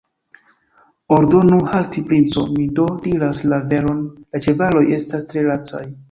Ordonu halti, princo, mi do diras la veron, la ĉevaloj estas tre lacaj.